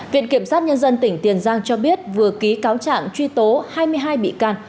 viện kiểm sát nhân dân tỉnh tiền giang cho biết vừa ký cáo trạng truy tố hai mươi hai bị can